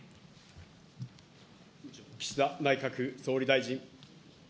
岸田内閣総理大臣。